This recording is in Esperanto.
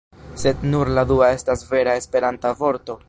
Sed nur la dua estas vera Esperanta vorto.